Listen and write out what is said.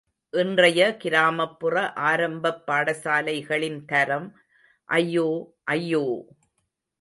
இன்றைய கிராமப்புற ஆரம்பப் பாடசாலைகளின் தரம்... ஐயோ... ஐயோ...!